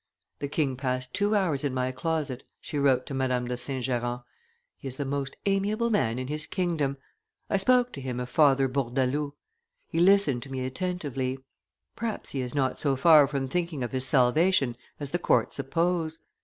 "The king passed two hours in my closet," she wrote to Madame de St. Geran; "he is the most amiable man in his kingdom. I spoke to him of Father Bourdaloue. He listened to me attentively. Perhaps he is not so far from thinking of his salvation as the court suppose.